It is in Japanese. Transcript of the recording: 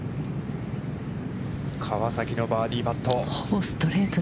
川崎のバーディーパット。